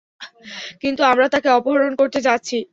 কিন্তু আমরা তাকে অপহরণ করতে যাচ্ছি!